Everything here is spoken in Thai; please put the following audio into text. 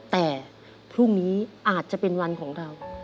แต่พรุ่งนี้อาจจะเป็นวันของเรา